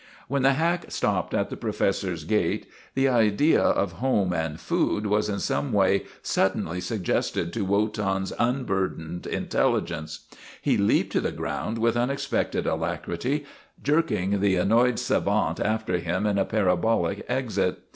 When the hack stopped at the professor's gate the 2i8 WOTAN, THE TERRIBLE idea of home and food was in some way suddenly suggested to Wotan's unburdened intelligence. He leaped to the ground with unexpected alacrity, jerk ing the annoyed savant after him in a parabolic exit.